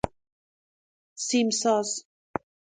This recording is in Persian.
سیم ساز